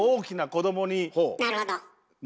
なるほど。